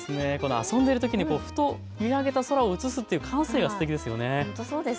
遊んでいるときに、ふと見上げた空を写すっていう感性がすてきですね。